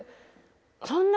そんな